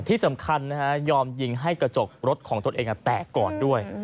ที่สำคัญนะฮะยอมยิงให้กระจกรถของตนเองแตกก่อนด้วย